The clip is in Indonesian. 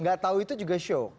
gak tahu itu juga show